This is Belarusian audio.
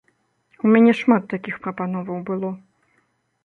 У мяне шмат такіх прапановаў было.